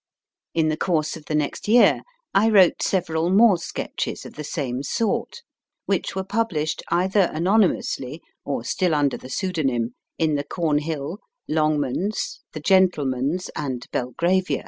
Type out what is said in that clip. In the course of the next year I wrote several more sketches of the same E 50 MY FIRST BOOK sort, which were published, either anonymously or still under the pseudonym, in the Cornhill, Longmans, T/ie Gentleman s, and Belgravia.